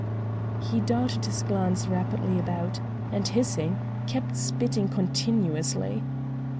He darted his glance rapidly about, and hissing, kept spitting continuously.